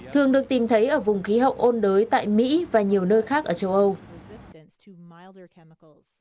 thường được tìm thấy ở vùng khí hậu ôn đới tại mỹ và nhiều nơi khác ở châu âu